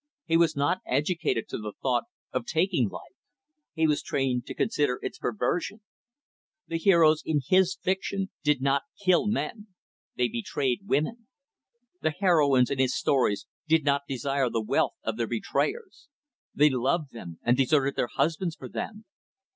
He was not educated to the thought of taking life he was trained to consider its perversion. The heroes in his fiction did not kill men they betrayed women. The heroines in his stories did not desire the death of their betrayers they loved them, and deserted their husbands for them.